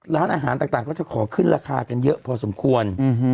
ร้านอาหารต่างก็จะขอขึ้นราคากันเยอะพอสมควร